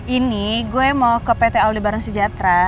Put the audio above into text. ini gue mau ke pt aldebaran sejahtera